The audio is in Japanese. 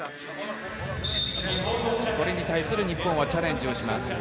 これに対する日本はチャレンジをします。